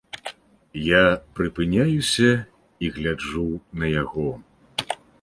Я прыпыняюся і гляджу на яго.